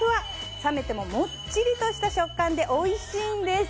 冷めてももっちりとした食感でおいしいんです。